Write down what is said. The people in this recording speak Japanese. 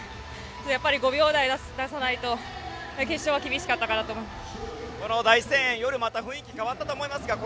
やっぱり５秒台を出さないと決勝は厳しかったかなと思います。